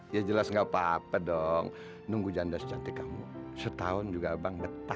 ya jelas gak apa apa dong nunggu janda secantik kamu setahun juga abang betah